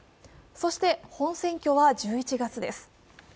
そして本選挙は１１月です。